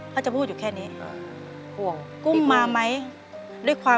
เปลี่ยนเพลงเพลงเก่งของคุณและข้ามผิดได้๑คำ